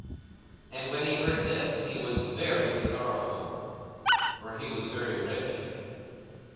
42:018:023 And when he heard this, he was very sorrowful: for he was very rich.